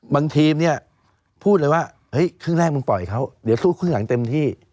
บางทีมเนี่ยพูดเลยว่าเฮ้ยครึ่งแรกมึงปล่อยเขาเดี๋ยวสู้ครึ่งหลังเต็มที่